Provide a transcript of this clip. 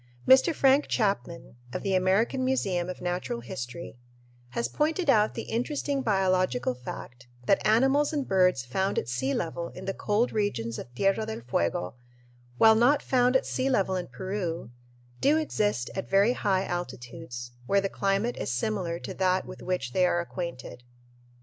Mr. Frank Chapman, of the American Museum of Natural History, has pointed out the interesting biological fact that animals and birds found at sea level in the cold regions of Tierra del Fuego, while not found at sea level in Peru, do exist at very high altitudes, where the climate is similar to that with which they are acquainted.